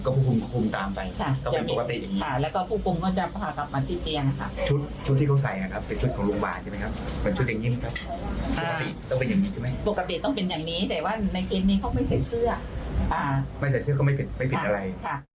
ไม่ใส่เสื้อเขาไม่ปิดอะไร